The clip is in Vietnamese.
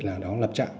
là đó lập trạng